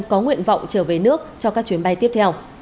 có nguyện vọng trở về nước cho các chuyến bay tiếp theo